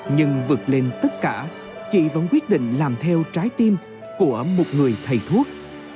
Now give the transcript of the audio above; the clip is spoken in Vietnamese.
nhưng vượt lên tất cả chị vẫn quyết định làm theo trái tim của một người thầy thuốc